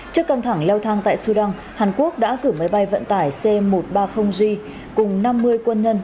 trước căng thẳng leo thang tại sudan hàn quốc đã cử máy bay vận tải c một trăm ba mươi g cùng năm mươi quân nhân